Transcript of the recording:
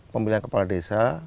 pemilihan kepala desa